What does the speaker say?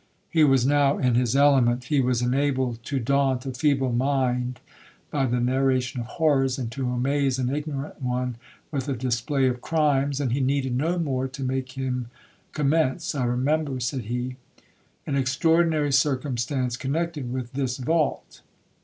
He was now in his element. He was enabled to daunt a feeble mind by the narration of horrors, and to amaze an ignorant one with a display of crimes;—and he needed no more to make him commence. 'I remember,' said he, 'an extraordinary circumstance connected with this vault.